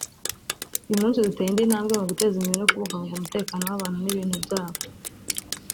Uyu munsi duteye indi ntambwe mu guteza imbere no kubungabunga umutekano w’abantu n’ibintu byabo